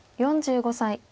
４５歳。